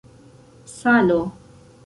salo